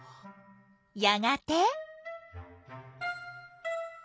やがて？